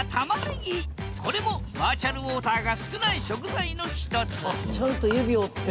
これもバーチャルウォーターが少ない食材の一つあっちゃんと指折って。